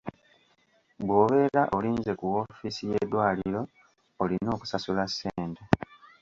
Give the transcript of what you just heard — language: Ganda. Bw'obeera olinze ku wofiisi y'eddwaliro olina okusasula ssente.